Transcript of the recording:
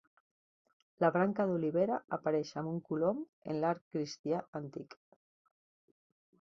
La branca d'olivera apareix amb un colom en l'art cristià antic.